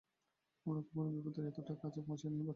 আমরা কখনো বিপদের এতটা কাছে পৌঁছাইনি, বাছা।